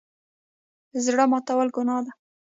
زړه ماتول ګناه ده